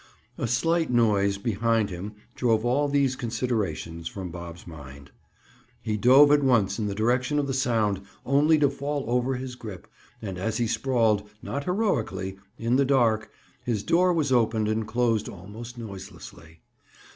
A slight noise behind him drove all these considerations from Bob's mind. He dove at once in the direction of the sound, only to fall over his grip, and as he sprawled, not heroically, in the dark, his door was opened and closed almost noiselessly.